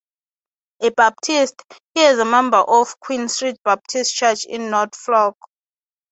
A Baptist, he is a member of Queen Street Baptist Church in Norfolk.